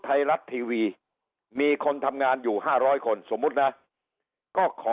ไทยรัฐทีวีมีคนทำงานอยู่๕๐๐คนสมมุตินะก็ขอ